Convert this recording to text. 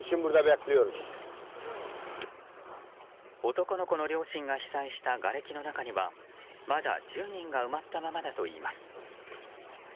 男の子の両親が被災したがれきの中にはまだ１０人が埋まったままだといいます。